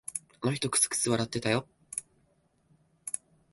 あの人、くすくす笑ってたよ。